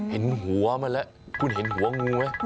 เห็นหัวมันแล้วคุณเห็นหัวงูไหม